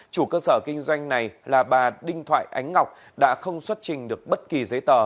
chủ cơ sở kinh doanh này là bà đinh thoại ánh ngọc đã không xuất trình được bất kỳ giấy tờ